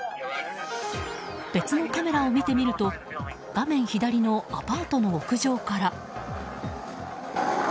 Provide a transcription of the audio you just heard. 別のカメラを見てみると画面左のアパートの屋上から。